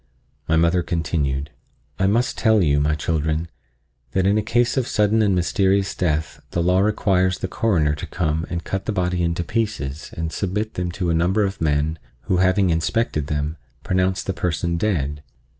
My mother continued: "I must tell you, my children, that in a case of sudden and mysterious death the law requires the Coroner to come and cut the body into pieces and submit them to a number of men who, having inspected them, pronounce the person dead.